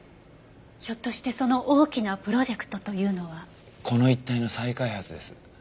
ひょっとしてその大きなプロジェクトというのは。この一帯の再開発です。